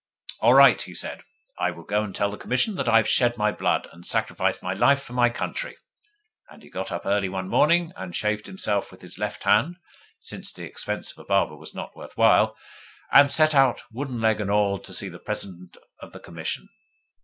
'All right!' he said. 'I will go and tell the Commission that I have shed my blood, and sacrificed my life, for my country.' And he got up early one morning, and shaved himself with his left hand (since the expense of a barber was not worth while), and set out, wooden leg and all, to see the President of the Commission.